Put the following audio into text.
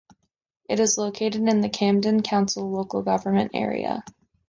It is located in the Camden Council local government area.